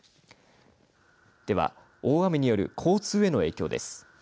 では大雨による交通への影響です。